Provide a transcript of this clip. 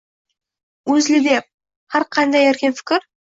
UzLiDeP: Har qanday erkin fikr